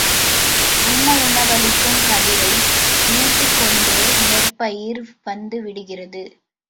உண்ண உணவளிக்கும் கதிரை நீட்டிக் கொண்டு நெற்பயிர் வந்து விடுகிறது.